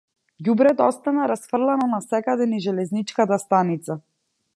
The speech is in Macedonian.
Ѓубрето остана расфрлано насекаде низ железничката станица.